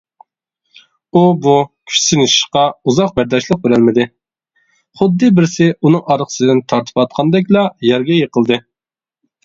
ئۇ بۇ كۈچ سىنىشىشقا ئۇزاق بەرداشلىق بېرەلمىدى، خۇددى بىرسى ئۇنىڭ ئارقىسىدىن تارتىۋاتقاندەكلا يەرگە يېقىلدى.